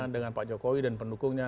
dengan pak jokowi dan pendukungnya